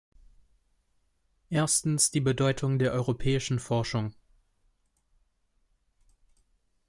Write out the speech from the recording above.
Erstens die Bedeutung der europäischen Forschung.